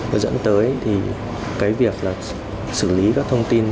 và dẫn tới việc xử lý các thông tin